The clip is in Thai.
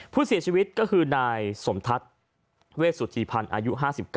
ผู้เสียชีวิตก็คือนายสมทัศน์เวชสุธีพันธ์อายุ๕๙